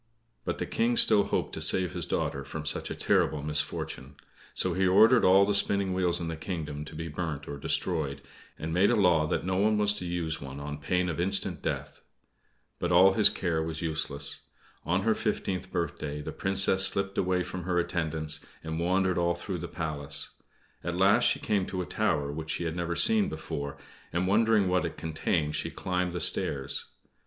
But the King still hoped to save his daughter from such a terrible misfortune. So he ordered all the spinning wheels in his kingdom to be burnt or destroyed, and made a law that no one was to use one on pain of instant death. But all his care was useless. On her fifteenth birthday the Princess slipped away from her attendants, and wandered all through the Palace. At last she came to a tower which she had never seen before, and, wondering what it contained, she climbed the stairs.